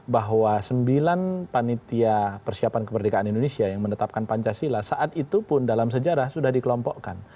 bahwa sembilan panitia persiapan kemerdekaan indonesia yang menetapkan pancasila saat itu pun dalam sejarah sudah dikelompokkan